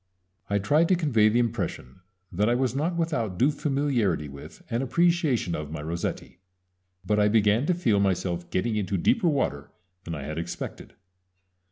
I tried to convey the impression that I was not without due familiarity with and appreciation of my Rossetti; but I began to feel myself getting into deeper water than I had expected.